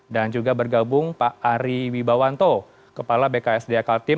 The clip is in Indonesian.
dan juga bergabung pak ari wibawanto kepala bksd akal tim